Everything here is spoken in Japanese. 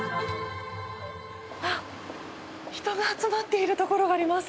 あっ、人が集まっているところがあります。